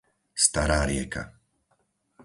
Stará rieka